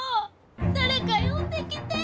誰か呼んできて。